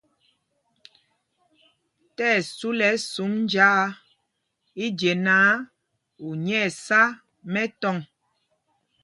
Tí ɛsu lɛ́ ɛsum njāā i je náǎ, u nyɛ̄ɛ̄ sá mɛtɔŋ.